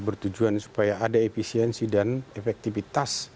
bertujuan supaya ada efisiensi dan efektivitas